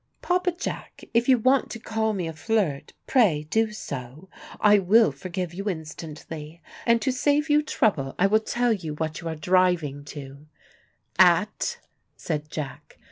"Papa Jack, if you want to call me a flirt, pray do so. I will forgive you instantly. And to save you trouble, I will tell you what you are driving to " "At," said Jack.